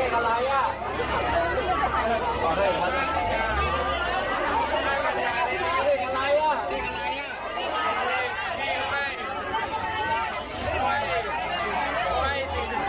ตั้งแต่ไม่มีการรู้ว่าคุณพิธาก็ยังอยู่ยังไหน